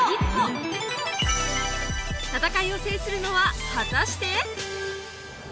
戦いを制するのは果たして？